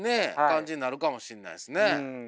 感じになるかもしんないですね。